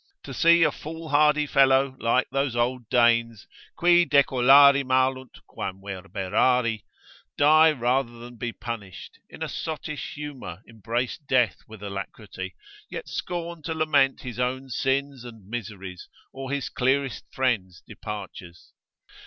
To see a foolhardy fellow like those old Danes, qui decollari malunt quam verberari, die rather than be punished, in a sottish humour embrace death with alacrity, yet scorn to lament his own sins and miseries, or his clearest friends' departures.